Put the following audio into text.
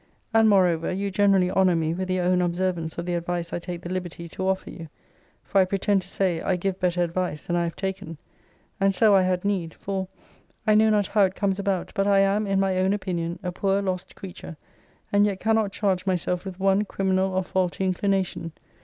And, moreover, you generally honour me with your own observance of the advice I take the liberty to offer you: for I pretend to say, I give better advice than I have taken. And so I had need. For, I know not how it comes about, but I am, in my own opinion, a poor lost creature: and yet cannot charge myself with one criminal or faulty inclination.